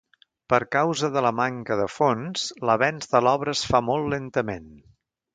Per causa de la manca de fons, l'avenç de l'obra es fa molt lentament.